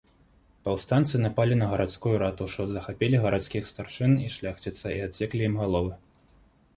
Паўстанцы напалі на гарадскую ратушу, захапілі гарадскіх старшын і шляхціца і адсеклі ім галовы.